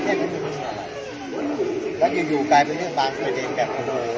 สวัสดีครับพี่เบนสวัสดีครับ